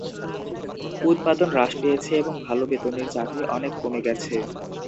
উৎপাদন হ্রাস পেয়েছে এবং ভাল বেতনের চাকরি অনেক কমে গেছে।